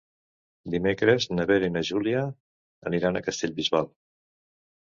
Dimecres na Vera i na Júlia aniran a Castellbisbal.